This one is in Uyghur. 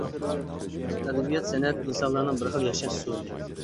ئەدەبىيات سەنئەت ئىنسانلارنىڭ بىر خىل ياشاش ئۇسۇلى.